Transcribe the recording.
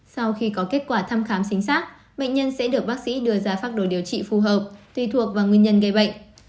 sau khi có kết quả thăm khám chính xác bệnh nhân sẽ được bác sĩ đưa ra pháp đồ điều trị phù hợp tùy thuộc vào nguyên nhân gây bệnh